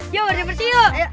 yuk bersih bersih yuk